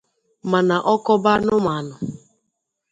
mana ọ kọba anụmanụ